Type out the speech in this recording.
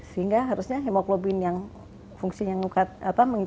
sehingga harusnya hemoglobin yang fungsinya mengikat oksigen itu jadi kalah